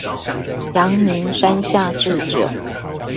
陽明山下智久